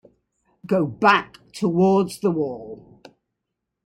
Going back towards the wall!